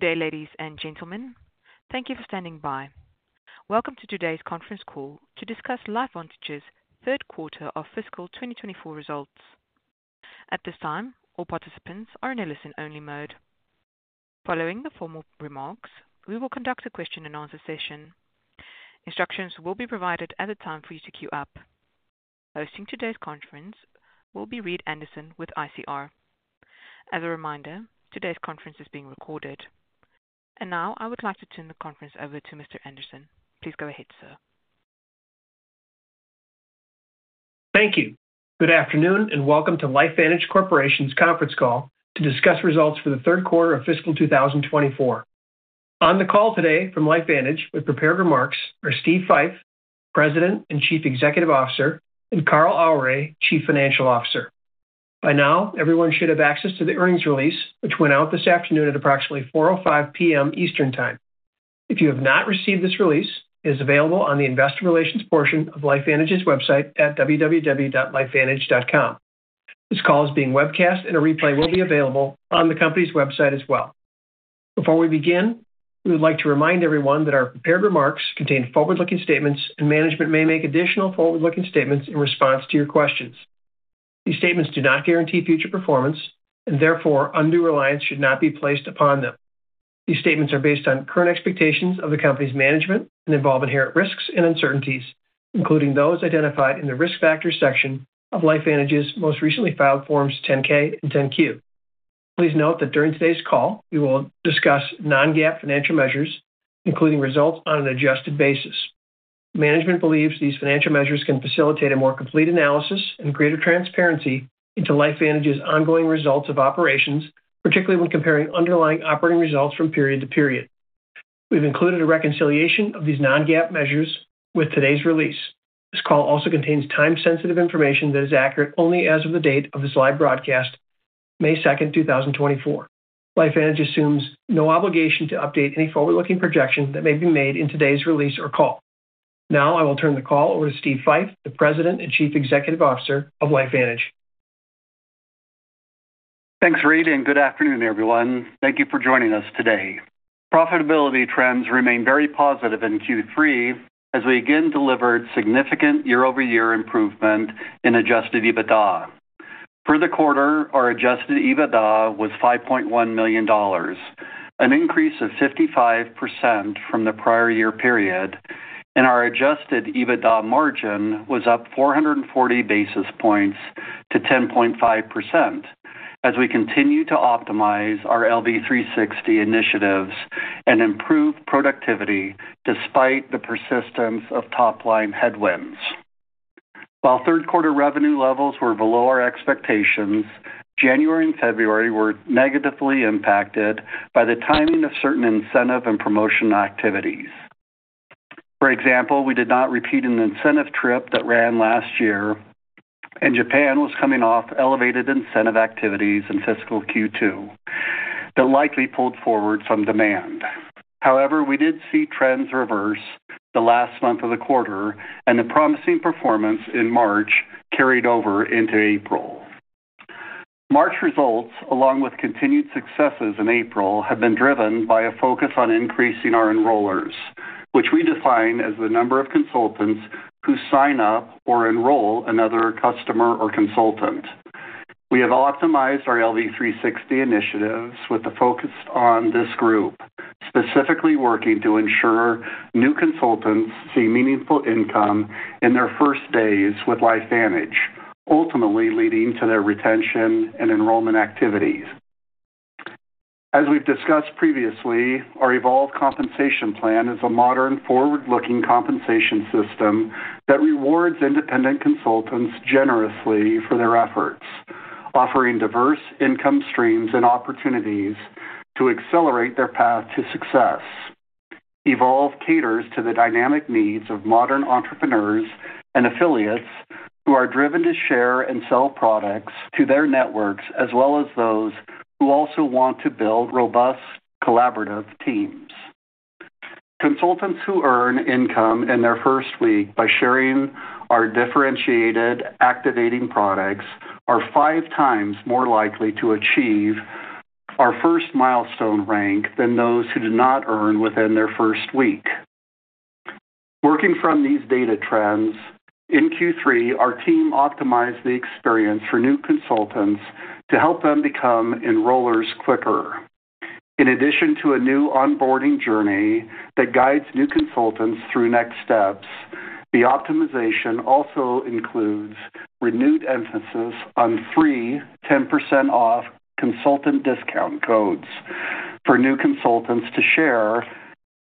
Good day, ladies and gentlemen. Thank you for standing by. Welcome to today's conference call to discuss LifeVantage's Third Quarter of Fiscal 2024 Results. At this time, all participants are in a listen-only mode. Following the formal remarks, we will conduct a question-and-answer session. Instructions will be provided at the time for you to queue up. Hosting today's conference will be Reed Anderson with ICR. As a reminder, today's conference is being recorded. Now I would like to turn the conference over to Mr. Anderson. Please go ahead, sir. Thank you. Good afternoon, and welcome to LifeVantage Corporation's conference call to discuss results for the third quarter of fiscal 2024. On the call today from LifeVantage with prepared remarks are Steve Fife, President and Chief Executive Officer, and Carl Aure, Chief Financial Officer. By now, everyone should have access to the earnings release, which went out this afternoon at approximately 4:05 P.M. Eastern Time. If you have not received this release, it is available on the investor relations portion of LifeVantage's website at www.lifevantage.com. This call is being webcast, and a replay will be available on the company's website as well. Before we begin, we would like to remind everyone that our prepared remarks contain forward-looking statements, and management may make additional forward-looking statements in response to your questions. These statements do not guarantee future performance, and therefore, undue reliance should not be placed upon them. These statements are based on current expectations of the company's management and involve inherent risks and uncertainties, including those identified in the Risk Factors section of LifeVantage's most recently filed Forms 10-K and 10-Q. Please note that during today's call, we will discuss non-GAAP financial measures, including results on an adjusted basis. Management believes these financial measures can facilitate a more complete analysis and greater transparency into LifeVantage's ongoing results of operations, particularly when comparing underlying operating results from period to period. We've included a reconciliation of these non-GAAP measures with today's release. This call also contains time-sensitive information that is accurate only as of the date of this live broadcast, May 2, 2024. LifeVantage assumes no obligation to update any forward-looking projection that may be made in today's release or call. Now, I will turn the call over to Steve Fife, the President and Chief Executive Officer of LifeVantage. Thanks, Reed, and good afternoon, everyone. Thank you for joining us today. Profitability trends remain very positive in Q3 as we again delivered significant year-over-year improvement in Adjusted EBITDA. For the quarter, our Adjusted EBITDA was $5.1 million, an increase of 55% from the prior year period, and our Adjusted EBITDA margin was up 440 basis points to 10.5% as we continue to optimize our LV360 initiatives and improve productivity despite the persistence of top-line headwinds. While third quarter revenue levels were below our expectations, January and February were negatively impacted by the timing of certain incentive and promotion activities. For example, we did not repeat an incentive trip that ran last year, and Japan was coming off elevated incentive activities in fiscal Q2 that likely pulled forward some demand. However, we did see trends reverse the last month of the quarter, and the promising performance in March carried over into April. March results, along with continued successes in April, have been driven by a focus on increasing our enrollers, which we define as the number of consultants who sign up or enroll another customer or consultant. We have optimized our LV360 initiatives with a focus on this group, specifically working to ensure new consultants see meaningful income in their first days with LifeVantage, ultimately leading to their retention and enrollment activities. As we've discussed previously, our Evolve compensation plan is a modern, forward-looking compensation system that rewards independent consultants generously for their efforts, offering diverse income streams and opportunities to accelerate their path to success. Evolve caters to the dynamic needs of modern entrepreneurs and affiliates who are driven to share and sell products to their networks, as well as those who also want to build robust, collaborative teams. Consultants who earn income in their first week by sharing our differentiated activating products are five times more likely to achieve our first milestone rank than those who do not earn within their first week. Working from these data trends, in Q3, our team optimized the experience for new consultants to help them become enrollers quicker. In addition to a new onboarding journey that guides new consultants through next steps, the optimization also includes renewed emphasis on free 10% off consultant discount codes for new consultants to share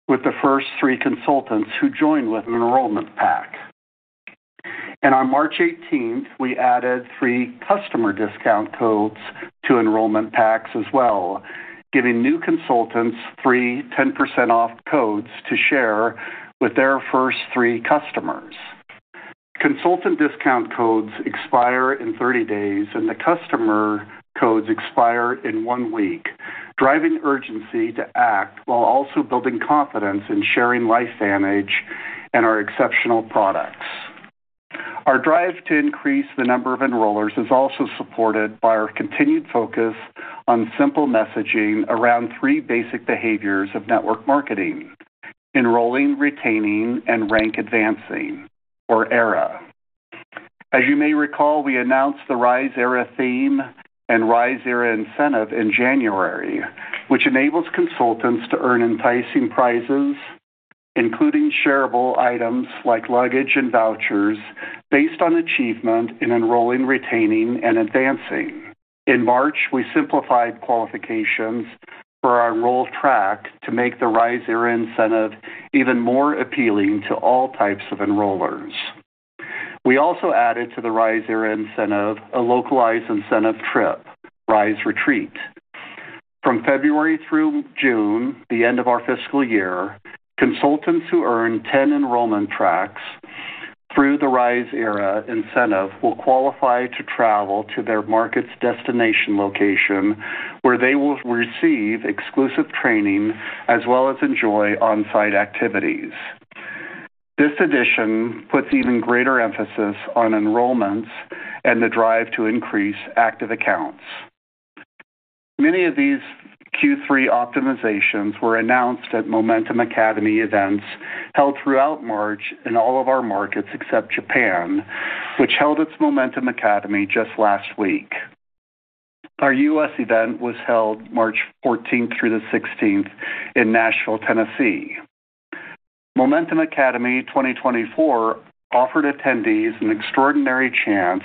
with the first three consultants who join with an enrollment pack. On March 18, we added free customer discount codes to enrollment packs as well, giving new consultants free 10% off codes to share with their first three customers. Consultant discount codes expire in 30 days, and the customer codes expire in one week, driving urgency to act while also building confidence in sharing LifeVantage and our exceptional product. Our drive to increase the number of enrollers is also supported by our continued focus on simple messaging around three basic behaviors of network marketing: enrolling, retaining, and rank advancing, or ERA. As you may recall, we announced the Rise ERA theme and Rise ERA incentive in January, which enables consultants to earn enticing prizes, including shareable items like luggage and vouchers, based on achievement in enrolling, retaining, and advancing. In March, we simplified qualifications for our enroll track to make the Rise ERA incentive even more appealing to all types of enrollers. We also added to the Rise ERA incentive, a localized incentive trip, Rise Retreat. From February through June, the end of our fiscal year, consultants who earn 10 enrollment tracks through the Rise ERA incentive will qualify to travel to their market's destination location, where they will receive exclusive training, as well as enjoy on-site activities. This addition puts even greater emphasis on enrollments and the drive to increase active accounts. Many of these Q3 optimizations were announced at Momentum Academy events held throughout March in all of our markets except Japan, which held its Momentum Academy just last week. Our U.S. event was held March 14th through the 16th in Nashville, Tennessee. Momentum Academy 2024 offered attendees an extraordinary chance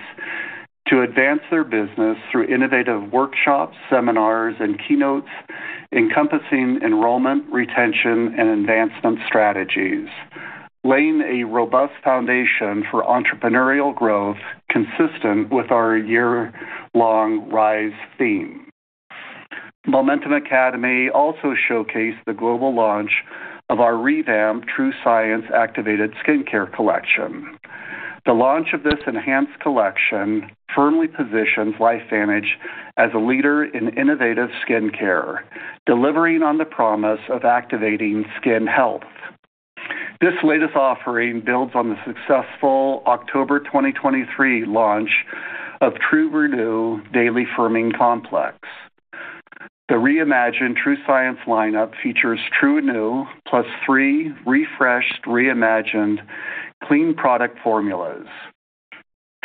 to advance their business through innovative workshops, seminars, and keynotes encompassing enrollment, retention, and advancement strategies, laying a robust foundation for entrepreneurial growth consistent with our year-long Rise theme. Momentum Academy also showcased the global launch of our revamped TrueScience Activated Skincare collection. The launch of this enhanced collection firmly positions LifeVantage as a leader in innovative skincare, delivering on the promise of activating skin health. This latest offering builds on the successful October 2023 launch of TrueRenew Daily Firming Complex. The reimagined TrueScience lineup features TrueRenew, plus three refreshed, reimagined, clean product formulas: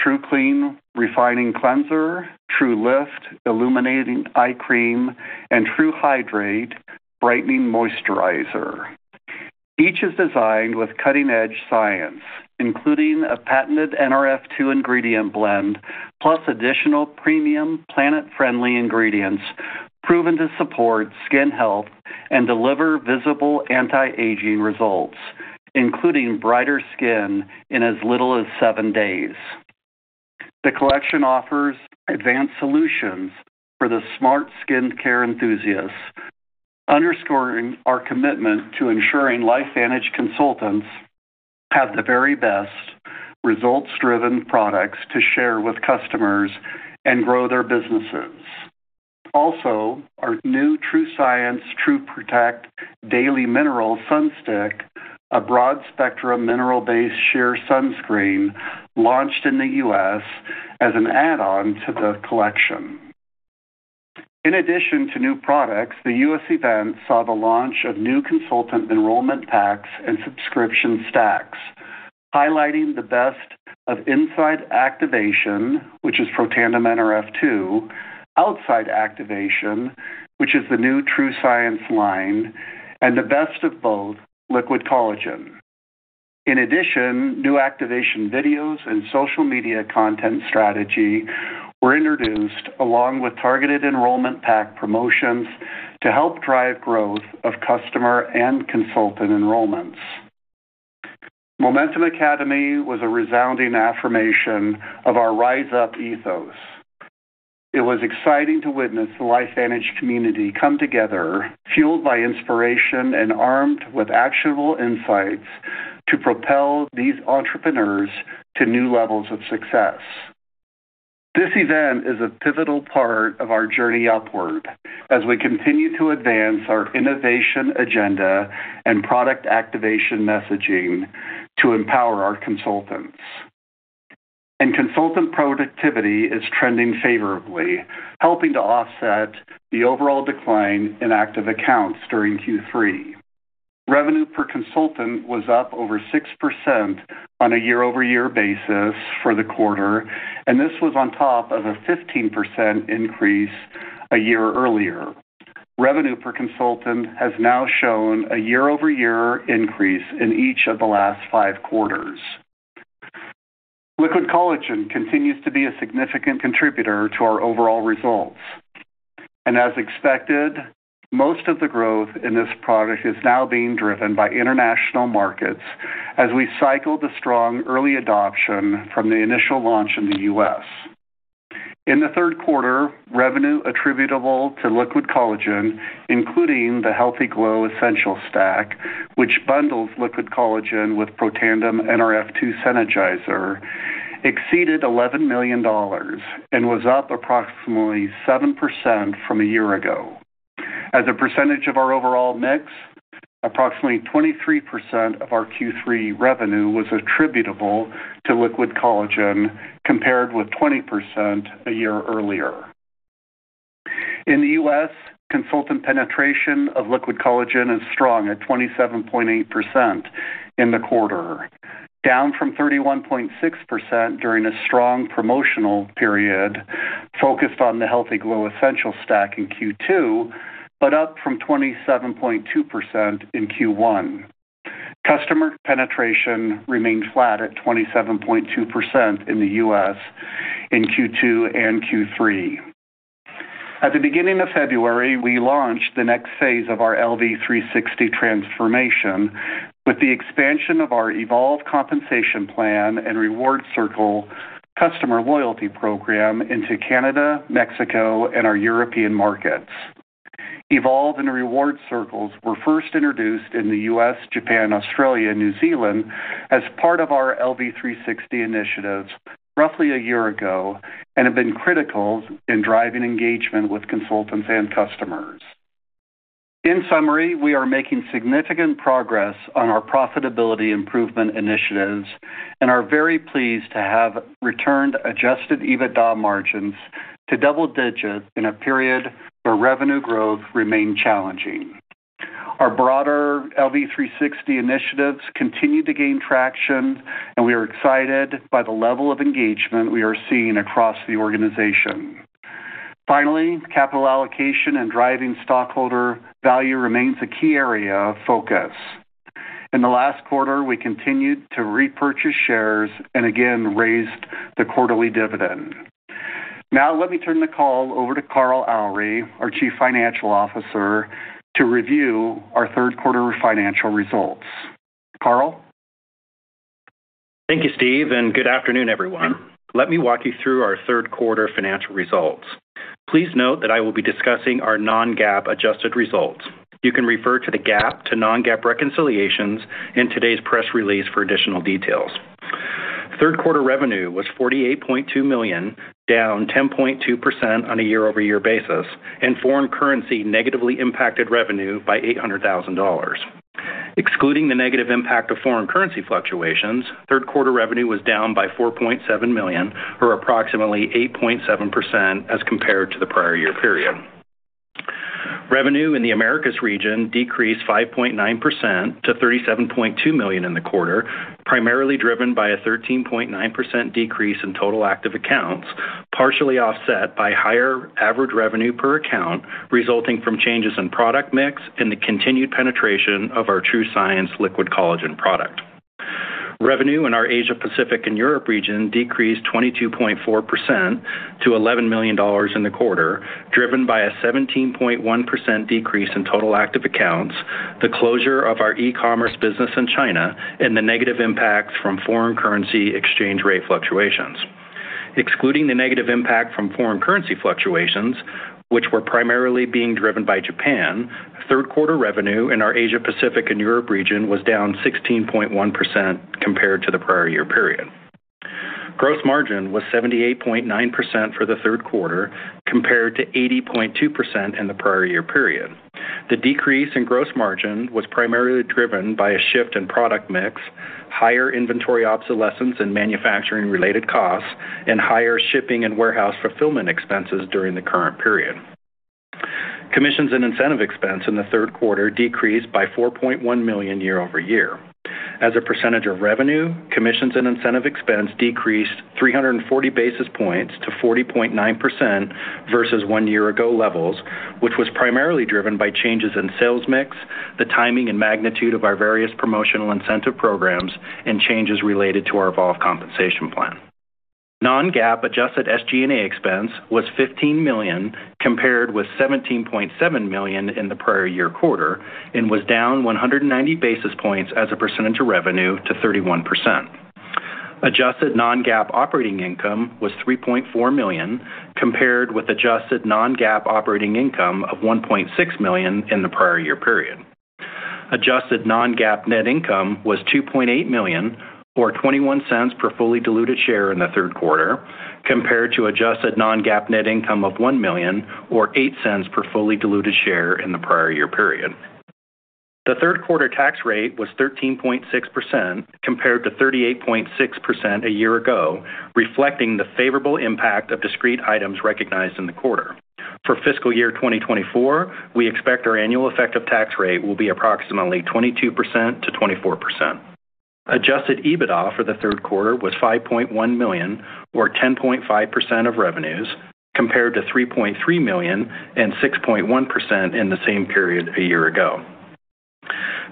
TrueClean Refining Cleanser, TrueLift Illuminating Eye Cream, and TrueHydrate Brightening Moisturizer. Each is designed with cutting-edge science, including a patented Nrf2 ingredient blend, plus additional premium, planet-friendly ingredients proven to support skin health and deliver visible anti-aging results, including brighter skin in as little as seven days. The collection offers advanced solutions for the smart skincare enthusiasts, underscoring our commitment to ensuring LifeVantage consultants have the very best results-driven products to share with customers and grow their businesses. Also, our new TrueScience TrueProtect Daily Mineral Sunstick, a broad-spectrum, mineral-based sheer sunscreen, launched in the U.S. as an add-on to the collection. In addition to new products, the U.S. event saw the launch of new consultant enrollment packs and subscription stacks, highlighting the best of inside activation, which is Protandim Nrf2, outside activation, which is the new TrueScience line, and the best of both, Liquid Collagen. In addition, new activation videos and social media content strategy were introduced, along with targeted enrollment pack promotions to help drive growth of customer and consultant enrollments. Momentum Academy was a resounding affirmation of our Rise Up ethos. It was exciting to witness the LifeVantage community come together, fueled by inspiration and armed with actionable insights, to propel these entrepreneurs to new levels of success. This event is a pivotal part of our journey upward as we continue to advance our innovation agenda and product activation messaging to empower our consultants. Consultant productivity is trending favorably, helping to offset the overall decline in active accounts during Q3. Revenue per consultant was up over 6% on a year-over-year basis for the quarter, and this was on top of a 15% increase a year earlier. Revenue per consultant has now shown a year-over-year increase in each of the last five quarters. Liquid Collagen continues to be a significant contributor to our overall results, and as expected, most of the growth in this product is now being driven by international markets as we cycle the strong early adoption from the initial launch in the U.S. In the third quarter, revenue attributable to Liquid Collagen, including the Healthy Glow Essential Stack, which bundles Liquid Collagen with Protandim Nrf2 Synergizer, exceeded $11 million and was up approximately 7% from a year ago. As a percentage of our overall mix, approximately 23% of our Q3 revenue was attributable to Liquid Collagen, compared with 20% a year earlier. In the US, consultant penetration of Liquid Collagen is strong at 27.8% in the quarter, down from 31.6% during a strong promotional period focused on the Healthy Glow Essential Stack in Q2, but up from 27.2% in Q1. Customer penetration remained flat at 27.2% in the U.S. in Q2 and Q3. At the beginning of February, we launched the next phase of our LV360 transformation with the expansion of our Evolve Compensation Plan and Reward Circle customer loyalty program into Canada, Mexico, and our European markets. Evolve and Reward Circles were first introduced in the US, Japan, Australia, and New Zealand as part of our LV360 initiatives roughly a year ago and have been critical in driving engagement with consultants and customers. In summary, we are making significant progress on our profitability improvement initiatives and are very pleased to have returned Adjusted EBITDA margins to double digits in a period where revenue growth remained challenging. Our broader LV360 initiatives continue to gain traction, and we are excited by the level of engagement we are seeing across the organization. Finally, capital allocation and driving stockholder value remains a key area of focus. In the last quarter, we continued to repurchase shares and again raised the quarterly dividend. Now let me turn the call over to Carl Aure, our Chief Financial Officer, to review our third quarter financial results. Carl? Thank you, Steve, and good afternoon, everyone. Let me walk you through our third quarter financial results. Please note that I will be discussing our non-GAAP adjusted results. You can refer to the GAAP to non-GAAP reconciliations in today's press release for additional details. Third quarter revenue was $48.2 million, down 10.2% on a year-over-year basis, and foreign currency negatively impacted revenue by $800,000. Excluding the negative impact of foreign currency fluctuations, third quarter revenue was down by $4.7 million, or approximately 8.7% as compared to the prior year period. Revenue in the Americas region decreased 5.9% to $37.2 million in the quarter, primarily driven by a 13.9% decrease in total active accounts, partially offset by higher average revenue per account, resulting from changes in product mix and the continued penetration of our TrueScience Liquid Collagen product. Revenue in our Asia Pacific and Europe region decreased 22.4% to $11 million in the quarter, driven by a 17.1% decrease in total active accounts, the closure of our e-commerce business in China, and the negative impact from foreign currency exchange rate fluctuations. Excluding the negative impact from foreign currency fluctuations, which were primarily being driven by Japan, third quarter revenue in our Asia Pacific and Europe region was down 16.1% compared to the prior year period. Gross margin was 78.9% for the third quarter, compared to 80.2% in the prior year period. The decrease in gross margin was primarily driven by a shift in product mix, higher inventory obsolescence and manufacturing-related costs, and higher shipping and warehouse fulfillment expenses during the current period. Commissions and incentive expense in the third quarter decreased by $4.1 million year-over-year. As a percentage of revenue, commissions and incentive expense decreased 340 basis points to 40.9% versus one year ago levels, which was primarily driven by changes in sales mix, the timing and magnitude of our various promotional incentive programs, and changes related to our Evolve compensation plan. Non-GAAP adjusted SG&A expense was $15 million, compared with $17.7 million in the prior year quarter, and was down 190 basis points as a percentage of revenue to 31%. Adjusted non-GAAP operating income was $3.4 million, compared with adjusted non-GAAP operating income of $1.6 million in the prior year period. Adjusted non-GAAP net income was $2.8 million, or $0.21 per fully diluted share in the third quarter, compared to adjusted non-GAAP net income of $1 million, or $0.08 per fully diluted share in the prior year period. The third quarter tax rate was 13.6%, compared to 38.6% a year ago, reflecting the favorable impact of discrete items recognized in the quarter. For fiscal year 2024, we expect our annual effective tax rate will be approximately 22%-24%. Adjusted EBITDA for the third quarter was $5.1 million, or 10.5% of revenues, compared to $3.3 million and 6.1% in the same period a year ago.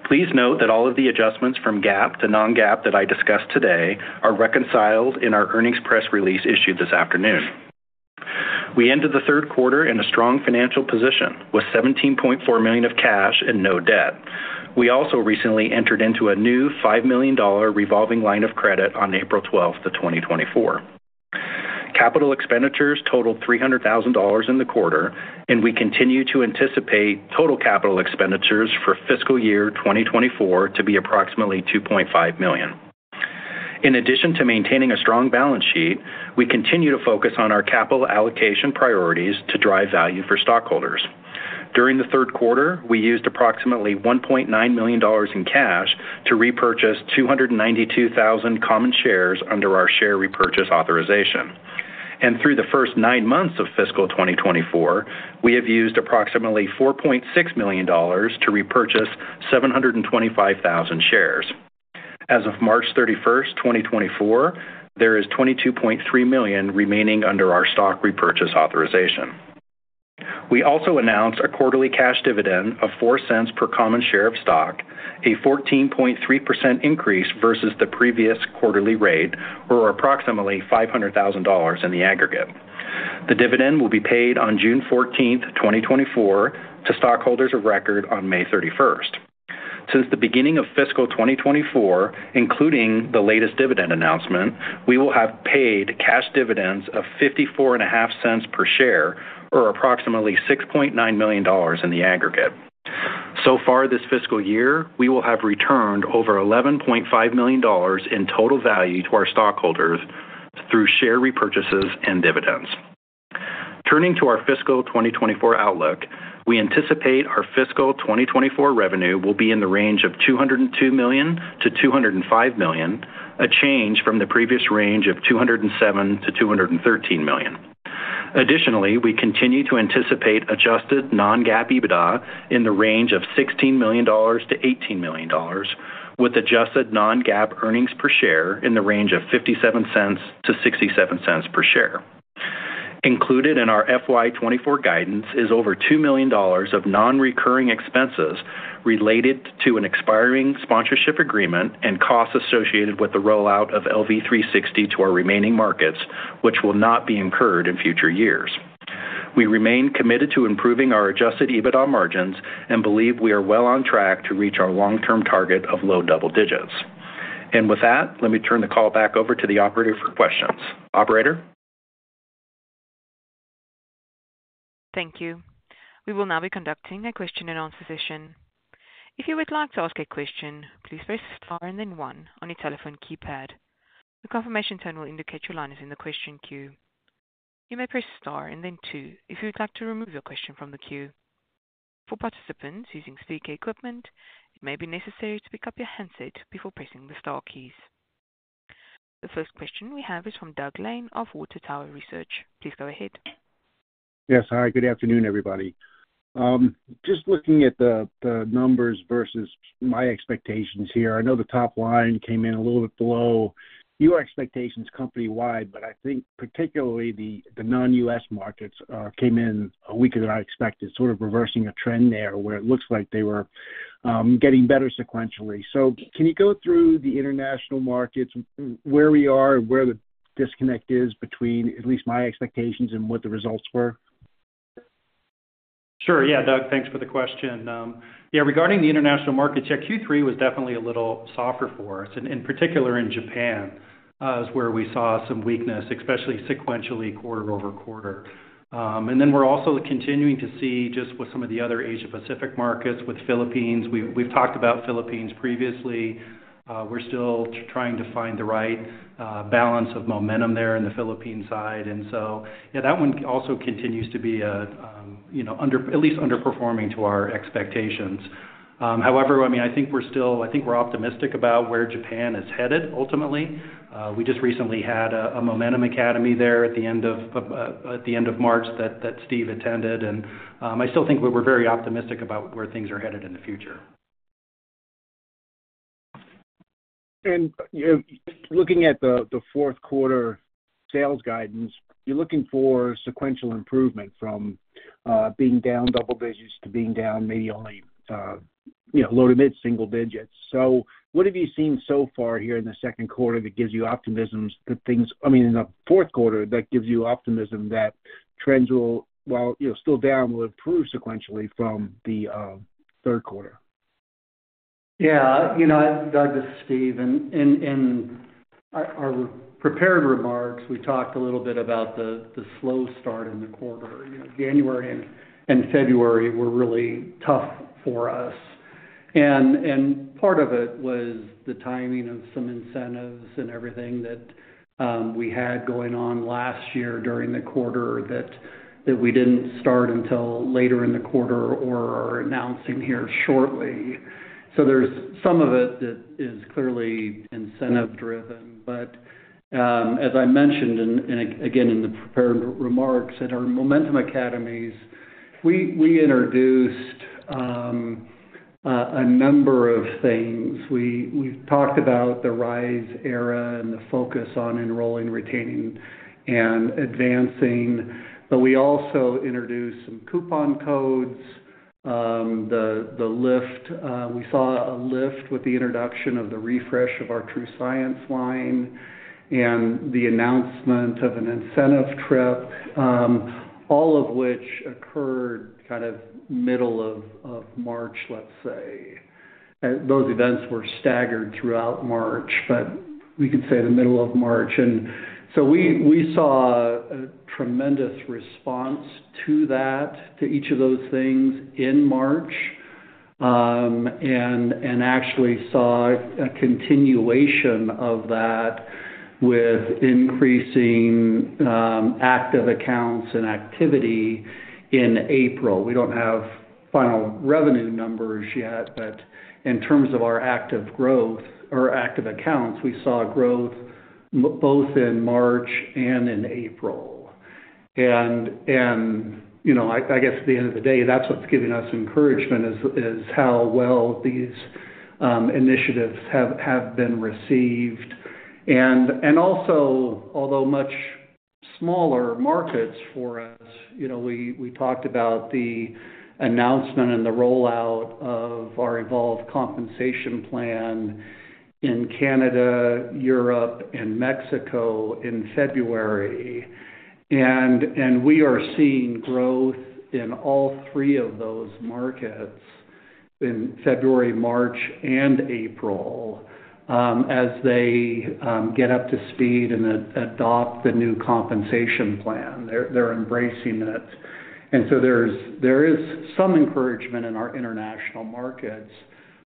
Please note that all of the adjustments from GAAP to non-GAAP that I discussed today are reconciled in our earnings press release issued this afternoon. We ended the third quarter in a strong financial position, with $17.4 million of cash and no debt. We also recently entered into a new $5 million revolving line of credit on April 12, 2024. Capital expenditures totaled $300,000 in the quarter, and we continue to anticipate total capital expenditures for fiscal year 2024 to be approximately $2.5 million. In addition to maintaining a strong balance sheet, we continue to focus on our capital allocation priorities to drive value for stockholders. During the third quarter, we used approximately $1.9 million in cash to repurchase 292,000 common shares under our share repurchase authorization. And through the first 9 months of fiscal 2024, we have used approximately $4.6 million to repurchase 725,000 shares. As of March 31, 2024, there is $22.3 million remaining under our stock repurchase authorization. We also announced a quarterly cash dividend of 4 cents per common share of stock, a 14.3% increase versus the previous quarterly rate, or approximately $500,000 in the aggregate. The dividend will be paid on June 14, 2024, to stockholders of record on May 31. Since the beginning of fiscal 2024, including the latest dividend announcement, we will have paid cash dividends of 54.5 cents per share, or approximately $6.9 million in the aggregate. So far this fiscal year, we will have returned over $11.5 million in total value to our stockholders through share repurchases and dividends. Turning to our fiscal 2024 outlook, we anticipate our fiscal 2024 revenue will be in the range of $202 million-$205 million, a change from the previous range of $207 million-$213 million. Additionally, we continue to anticipate adjusted non-GAAP EBITDA in the range of $16 million-$18 million, with adjusted non-GAAP earnings per share in the range of $0.57-$0.67 per share. Included in our FY 2024 guidance is over $2 million of nonrecurring expenses related to an expiring sponsorship agreement and costs associated with the rollout of LV360 to our remaining markets, which will not be incurred in future years. We remain committed to improving our Adjusted EBITDA margins and believe we are well on track to reach our long-term target of low double digits. With that, let me turn the call back over to the operator for questions. Operator? Thank you. We will now be conducting a question and answer session. If you would like to ask a question, please press star and then 1 on your telephone keypad. The confirmation tone will indicate your line is in the question queue. You may press star and then 2, if you'd like to remove your question from the queue. For participants using speaker equipment, it may be necessary to pick up your handset before pressing the star keys. The first question we have is from Doug Lane of Water Tower Research. Please go ahead. Yes. Hi, good afternoon, everybody. Just looking at the numbers versus my expectations here, I know the top line came in a little bit below your expectations company-wide, but I think particularly the non-US markets came in weaker than I expected, sort of reversing a trend there where it looks like they were getting better sequentially. So can you go through the international markets, where we are and where the disconnect is between at least my expectations and what the results were? Sure. Yeah, Doug, thanks for the question. Yeah, regarding the international markets, yeah, Q3 was definitely a little softer for us, and in particular in Japan is where we saw some weakness, especially sequentially, quarter-over-quarter. And then we're also continuing to see just with some of the other Asia Pacific markets, with Philippines. We've talked about Philippines previously. We're still trying to find the right balance of momentum there in the Philippine side. And so, yeah, that one also continues to be, you know, at least underperforming to our expectations. However, I mean, I think we're optimistic about where Japan is headed, ultimately. We just recently had a Momentum Academy there at the end of March that Steve attended, and I still think we're very optimistic about where things are headed in the future. You know, looking at the fourth quarter sales guidance, you're looking for sequential improvement from being down double digits to being down maybe only, you know, low to mid single digits. So what have you seen so far here in the second quarter that gives you optimism that things, I mean, in the fourth quarter, that gives you optimism that trends will, while, you know, still down, will improve sequentially from the third quarter? Yeah, you know, Doug, this is Steve, and in our prepared remarks, we talked a little bit about the slow start in the quarter. You know, January and February were really tough for us. And part of it was the timing of some incentives and everything that we had going on last year during the quarter that we didn't start until later in the quarter or are announcing here shortly. So there's some of it that is clearly incentive-driven, but as I mentioned in, again, in the prepared remarks. At our momentum academies, we introduced a number of things. We've talked about the rise era and the focus on enrolling, retaining, and advancing, but we also introduced some coupon codes, the lift. We saw a lift with the introduction of the refresh of our TrueScience line and the announcement of an incentive trip, all of which occurred kind of middle of March, let's say. Those events were staggered throughout March, but we could say the middle of March. And so we saw a tremendous response to that, to each of those things in March, and actually saw a continuation of that with increasing active accounts and activity in April. We don't have final revenue numbers yet, but in terms of our active growth or active accounts, we saw growth both in March and in April. You know, I guess at the end of the day, that's what's giving us encouragement, is how well these initiatives have been received. Also, although much smaller markets for us, you know, we talked about the announcement and the rollout of our Evolve Compensation Plan in Canada, Europe, and Mexico in February. We are seeing growth in all three of those markets in February, March, and April, as they get up to speed and adopt the new compensation plan. They're embracing it. So there is some encouragement in our international markets,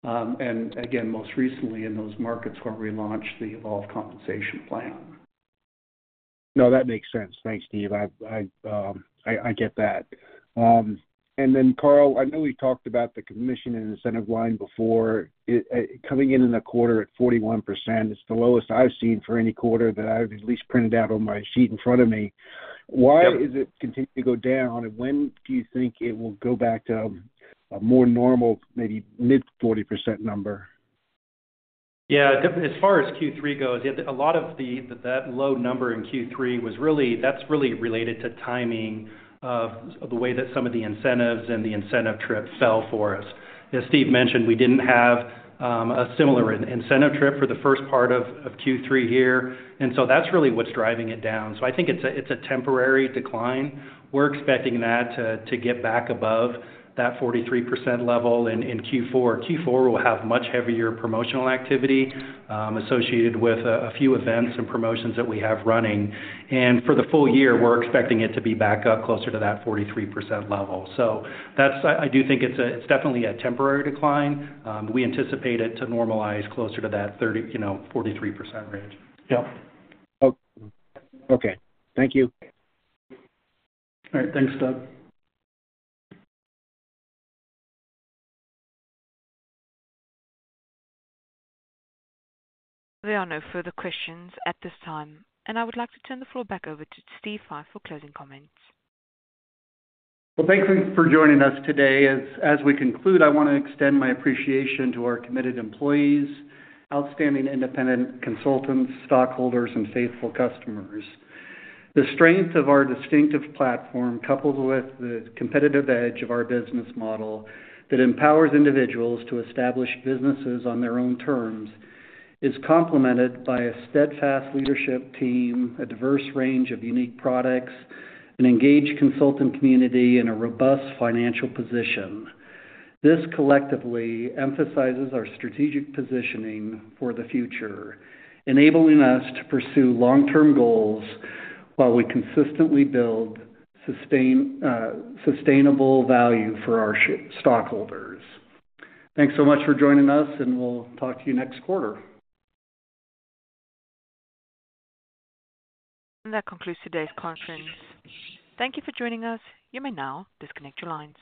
and again, most recently in those markets where we launched the Evolve Compensation Plan. No, that makes sense. Thanks, Steve. I get that. And then, Carl, I know we talked about the commission and incentive line before. It coming in in the quarter at 41%, it's the lowest I've seen for any quarter that I've at least printed out on my sheet in front of me. Yep. Why is it continuing to go down, and when do you think it will go back to a more normal, maybe mid-40% number? Yeah, as far as Q3 goes, yeah, a lot of the that low number in Q3 was really, that's really related to timing of the way that some of the incentives and the incentive trips fell for us. As Steve mentioned, we didn't have a similar incentive trip for the first part of Q3 here, and so that's really what's driving it down. So I think it's a, it's a temporary decline. We're expecting that to get back above that 43% level in Q4. Q4 will have much heavier promotional activity associated with a few events and promotions that we have running. And for the full year, we're expecting it to be back up closer to that 43% level. So that's I do think it's a, it's definitely a temporary decline. We anticipate it to normalize closer to that 30, you know, 43% range. Yep. Oh, okay. Thank you. All right. Thanks, Doug. There are no further questions at this time, and I would like to turn the floor back over to Steve Fife for closing comments. Well, thank you for joining us today. As we conclude, I want to extend my appreciation to our committed employees, outstanding independent consultants, stockholders, and faithful customers. The strength of our distinctive platform, coupled with the competitive edge of our business model that empowers individuals to establish businesses on their own terms, is complemented by a steadfast leadership team, a diverse range of unique products, an engaged consultant community, and a robust financial position. This collectively emphasizes our strategic positioning for the future, enabling us to pursue long-term goals while we consistently build sustainable value for our stockholders. Thanks so much for joining us, and we'll talk to you next quarter. That concludes today's conference. Thank you for joining us. You may now disconnect your lines.